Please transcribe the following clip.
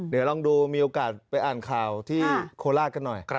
เดี๋ยวลองดูมีโอกาสไปอ่านข่าวที่โคราชกันหน่อย